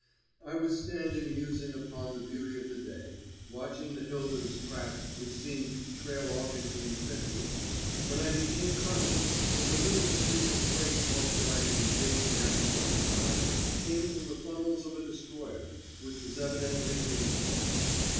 I was standing musing upon the beauty of the day, watching the Hilda's track which seemed to trail off into infinity, when I became conscious that the little streak of grey smoke that I had been gazing at for some time came from the funnels of a destroyer, which was evidently being pushed.